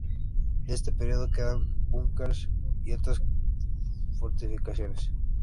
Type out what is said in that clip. De este período quedan búnkeres y otras fortificaciones.